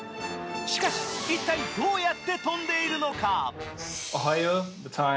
しかし、一体どうやって飛んでいるのか？